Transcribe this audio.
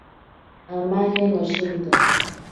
Amaje noshinto.